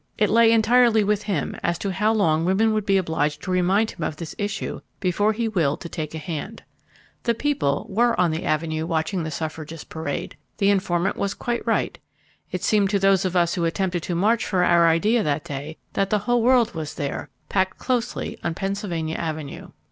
It lay entirely with him as to how long women would be obliged to remind him of this issue before he willed to take a hand. "The people" were on the Avenue watching the suffragists parade. The informant was quite right. It seemed to those of us who attempted to march for our idea that day that the whole world was there—packed closely on Pennsylvania Avenue.